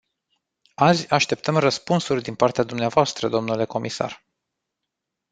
Azi așteptăm răspunsuri din partea dvs., dle comisar.